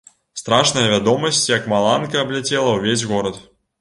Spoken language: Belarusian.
Страшная вядомасць, як маланка, абляцела ўвесь горад.